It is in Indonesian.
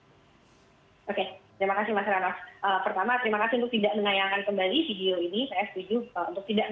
oke terima kasih mas rano